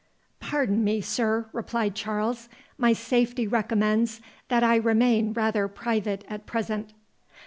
"Pardon me, sir," replied Charles, "my safety recommends that I remain rather private at present."